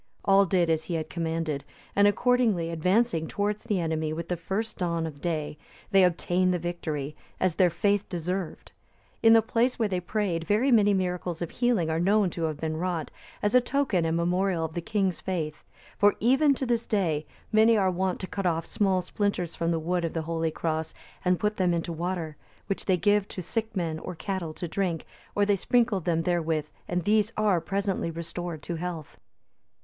All did as he had commanded, and accordingly advancing towards the enemy with the first dawn of day, they obtained the victory, as their faith deserved. In the place where they prayed very many miracles of healing are known to have been wrought, as a token and memorial of the king's faith; for even to this day, many are wont to cut off small splinters from the wood of the holy cross, and put them into water, which they give to sick men or cattle to drink, or they sprinkle them therewith, and these are presently restored to health.